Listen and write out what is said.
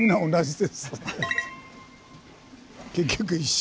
結局一緒。